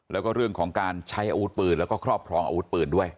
แล้วก็เรื่องของการใช้อาวุธปืนแล้วก็ครอบครองอาวุธปืนด้วย